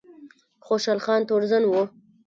خوشحال خان تورزن و